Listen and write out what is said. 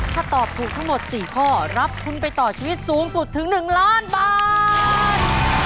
ถ้าตอบถูกทั้งหมด๔ข้อรับทุนไปต่อชีวิตสูงสุดถึง๑ล้านบาท